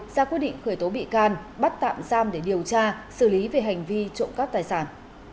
ra quyết định khởi tố bị can bắt tạm giam để điều tra xử lý về hành vi trộm cắp tài sản